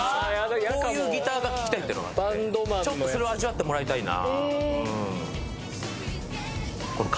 こういうギターが聴きたいっていうのがあってちょっとそれを味わってもらいたいな。